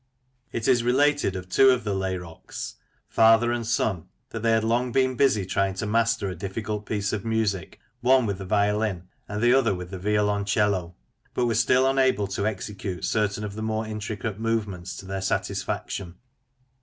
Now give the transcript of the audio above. It is related of two of the " Layrocks," father and son, that they had long been busy trying to master a dif35cult piece of music, one with the violin, and the other with the violoncello, but were still unable to execute certain of the more intricate movements to their satisfaction.